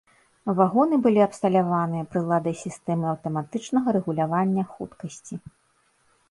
Вагоны былі абсталяваныя прыладай сістэмы аўтаматычнага рэгулявання хуткасці.